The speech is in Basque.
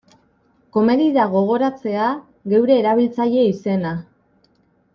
Komeni da gogoratzea geure erabiltzaile izena.